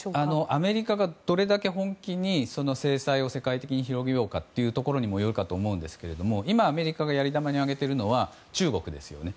アメリカがどれだけ本気に制裁を世界的に広げるかということだと思うんですけど今、アメリカがやり玉に挙げているのは中国ですよね。